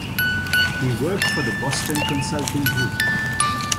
He worked for the Boston Consulting Group.